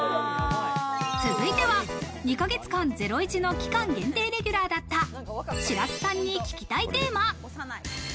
続いては２ヶ月間『ゼロイチ』の期間限定レギュラーだった白洲さんに聞きたいテーマ。